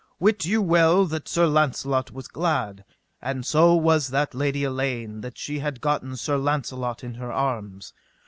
Wit you well that Sir Launcelot was glad, and so was that lady Elaine that she had gotten Sir Launcelot in her arms.